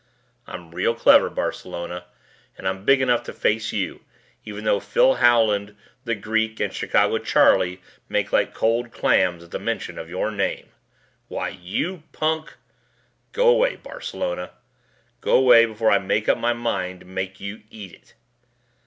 "I'm real clever, Barcelona. And I'm big enough to face you, even though Phil Howland, The Greek, and Chicago Charlie make like cold clams at the mention of your name." "Why, you punk " "Go away, Barcelona. Go away before I make up my mind to make you eat it."